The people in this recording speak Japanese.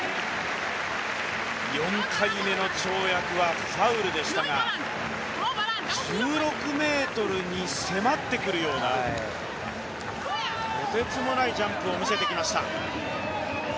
４回目の跳躍はファウルでしたが、１６ｍに迫ってくるような、とてつもないジャンプを見せてきました。